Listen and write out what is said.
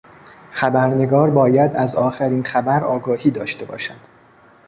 خبرنگار باید از آخرین خبر آگاهی داشته باشد.